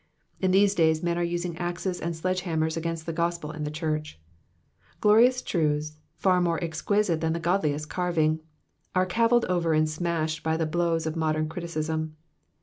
In these days men are using axes and sledge hammers against the gospel and the church. Glorious truths, far more exquisite than the good liest carving, are cavilled over and smashed by the blows of modem criticism.